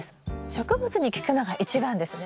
植物に聞くのが一番ですね。